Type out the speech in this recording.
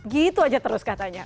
gitu aja terus katanya